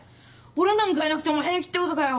俺なんかいなくても平気ってことかよ？